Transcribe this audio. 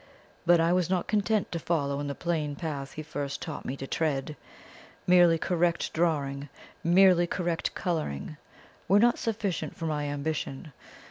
But I was not content to follow in the plain path he first taught me to tread. Merely correct drawing, merely correct colouring, were not sufficient for my ambition.